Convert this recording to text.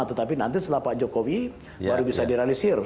tetapi nanti setelah pak jokowi baru bisa direalisir